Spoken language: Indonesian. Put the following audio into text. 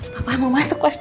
papa mau masuk pasti